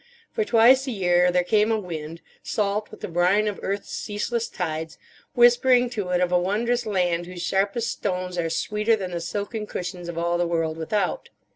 For twice a year there came a wind, salt with the brine of earth's ceaseless tides, whispering to it of a wondrous land whose sharpest stones are sweeter than the silken cushions of all the world without.